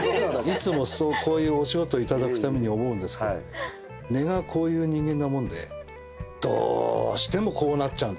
いつもこういうお仕事頂くたびに思うんですけど根がこういう人間なもんでどうしてもこうなっちゃうんですね。